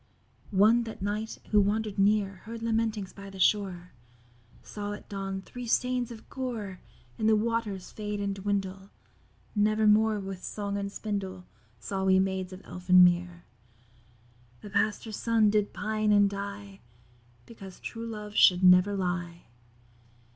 One that night who wander'd near Heard lamentings by the shore, Saw at dawn three stains of gore In the waters fade and dwindle. Never more with song and spindle Saw we Maids of Elfin Mere, The Pastor's Son did pine and die; Because true love should never lie.